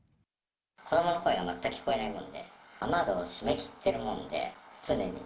子どもの声が全く聞こえないもんで、雨戸を閉めきってるもんで、常に。